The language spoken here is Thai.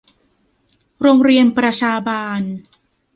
โรงเรียนประชาบาล